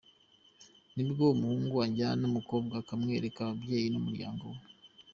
Nibwo umuhungu ajyana umukobwa akamwereka ababyeyi n’umuryango we.